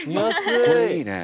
これいいね。